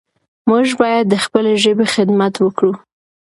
موږ باید د خپلې ژبې خدمت وکړو.